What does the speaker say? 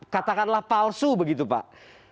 katakanlah palsu begitu pak